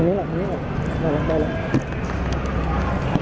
สวัสดีครับ